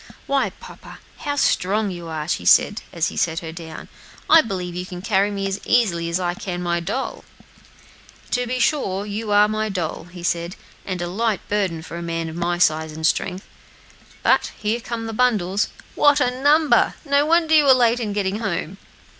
"Why, papa, how strong you are," she said, as he set her down. "I believe you can carry me as easily as I can my doll." "To be sure; you are my doll," said he, "and a very light burden for a man of my size and strength. But here come the bundles! what a number! no wonder you were late in getting home."